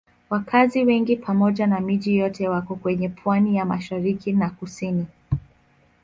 Wakazi wengi pamoja na miji yote wako kwenye pwani ya mashariki na kusini.